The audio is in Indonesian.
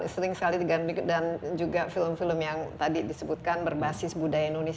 sering sekali dan juga film film yang tadi disebutkan berbasis budaya indonesia